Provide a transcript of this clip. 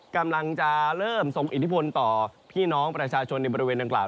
กำลังจะเริ่มส่งอิทธิพลต่อพี่น้องประชาชนในบริเวณดังกล่าว